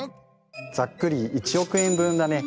ざっくり１億円分だね。